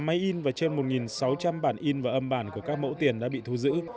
hai máy in và trên một sáu trăm linh bản in và âm bản của các mẫu tiền đã bị thu giữ